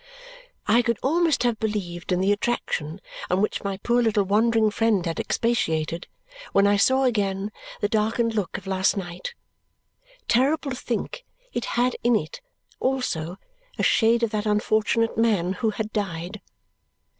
I could almost have believed in the attraction on which my poor little wandering friend had expatiated when I saw again the darkened look of last night. Terrible to think it had in it also a shade of that unfortunate man who had died.